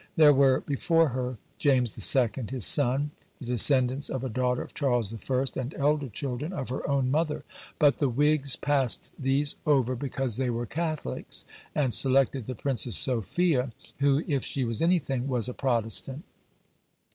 There were before her James II., his son, the descendants of a daughter of Charles I., and elder children of her own mother. But the Whigs passed these over because they were Catholics, and selected the Princess Sophia, who, if she was anything, was a Protestant.